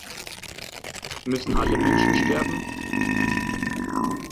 Müssen alle Menschen sterben?